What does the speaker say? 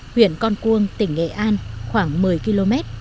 huyện con cuông tỉnh nghệ an khoảng một mươi km